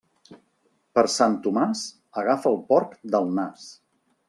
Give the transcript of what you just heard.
Per Sant Tomàs, agafa el porc del nas.